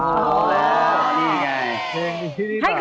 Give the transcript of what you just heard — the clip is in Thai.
อ๋อนี่ไง